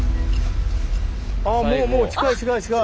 ああもうもう近い近い近い。